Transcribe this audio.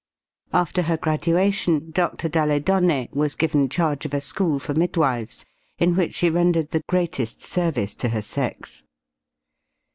After her graduation Dr. dalle Donne was given charge of a school for midwives in which she rendered the greatest service to her sex.